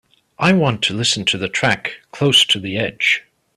I want to listen to the track Close To The Edge